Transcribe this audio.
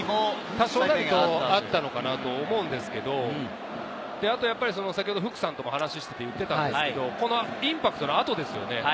多少なりともあったのかなと思うんですけれど、あと福さんとも話をしていて言っていたんですけれど、インパクトの後ですよね。